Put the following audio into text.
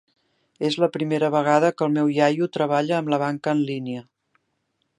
És la primera vegada que el meu iaio treballa amb la banca en línia.